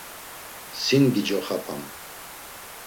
Sin gicoxopan.